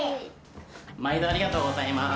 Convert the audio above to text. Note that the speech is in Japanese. まいどありがとうございます。